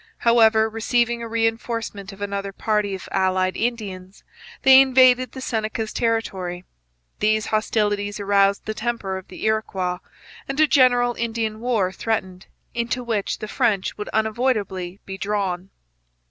However, receiving a reinforcement of another party of allied Indians, they invaded the Senecas' territory. These hostilities aroused the temper of the Iroquois, and a general Indian war threatened, into which the French would unavoidably be drawn.